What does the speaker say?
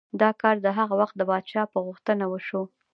دا کار د هغه وخت د پادشاه په غوښتنه وشو.